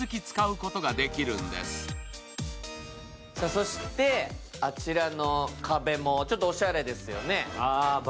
そしてあちらの壁もちょっとおしゃれですよね。